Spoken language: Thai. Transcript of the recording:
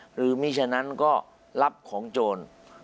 หรือไม่ฉะนั้นก็รับของโจร